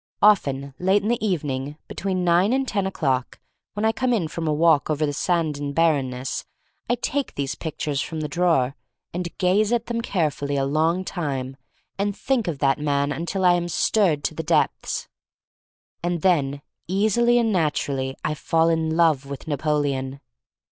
Often late in the evening, between nine and ten o'clock, when I come in from a walk over the sand and barrenness, I take these pic 252 THE STORY OF MARY MAC LANE tures from the drawer and gaze at them carefully a long time and think of that man until I am stirred to the depths. And then easily and naturally I fall in love with Napoleon.